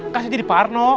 kasih jadi parno